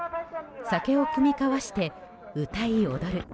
酒を酌み交わして歌い踊る。